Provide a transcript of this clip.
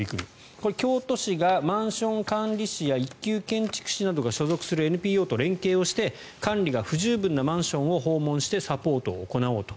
これ、京都市がマンション管理士や一級建築士が所属するＮＰＯと連携して管理が不十分なマンションを訪問してサポートを行おうと。